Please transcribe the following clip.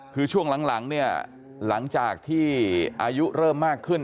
คือช่วงหลังเนี่ยหลังจากที่อายุเริ่มมากขึ้น